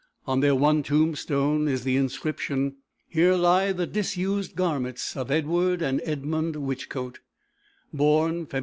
On their one tombstone is the inscription: HERE LIE THE DISUSED GARMENTS OF EDWARD AND EDMUND WHICHCOTE, BORN FEB.